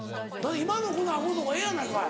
今のこの顎の方がええやないかい。